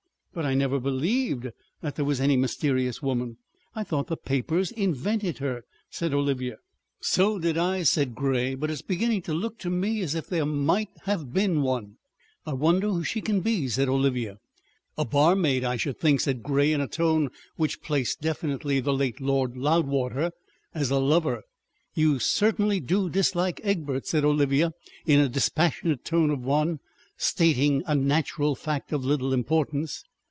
"But I never believed that there was any mysterious woman, I thought the papers invented her," said Olivia. "So did I," said Grey. "But it's beginning to look to me as if there might have been one." "I wonder who she can be?" said Olivia. "A barmaid, I should think," said Grey, in a tone which placed definitely the late Lord Loudwater as a lover. "You certainly do dislike Egbert," said Olivia, in a dispassionate tone of one stating a natural fact of little importance.